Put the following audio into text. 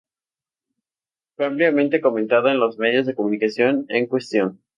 Fue ampliamente comentada en los medios de comunicación en cuestión.